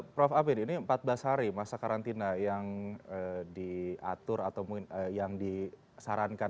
prof amin ini empat belas hari masa karantina yang diatur atau yang disarankan